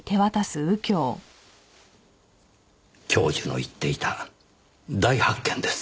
教授の言っていた大発見です。